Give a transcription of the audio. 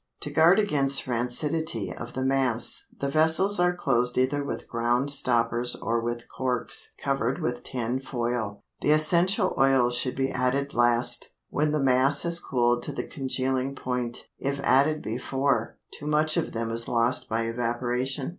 To guard against rancidity of the mass, the vessels are closed either with ground stoppers or with corks covered with tin foil. The essential oils should be added last, when the mass has cooled to the congealing point; if added before, too much of them is lost by evaporation.